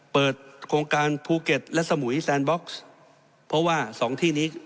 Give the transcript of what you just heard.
เปิดโครงการภูเก็ตและสมุยแซนบ็อกซ์เพราะว่าสองที่นี้